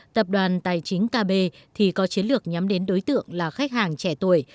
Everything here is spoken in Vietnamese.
tập đoàn tài chính kb thì có chiến lược nhắm đến đối tượng là khách hàng trẻ tuổi